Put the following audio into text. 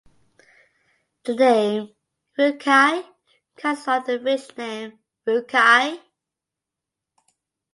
The name "Rukai" comes from the village name "Rukai".